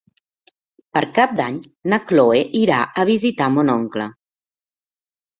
Per Cap d'Any na Cloè irà a visitar mon oncle.